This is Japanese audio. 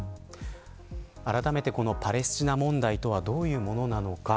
あらためてパレスチナ問題とはどういうものなのか。